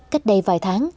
cách đây vài tháng